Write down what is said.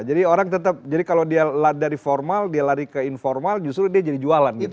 jadi orang tetap jadi kalau dia dari formal dia lari ke informal justru dia jadi jualan gitu